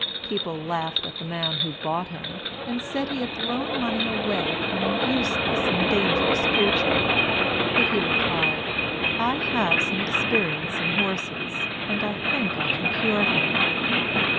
People laughed at the man who bought him, and said he had thrown money away upon a useless and dangerous creature; but he replied, "I have some experience in horses, and I think I can cure him."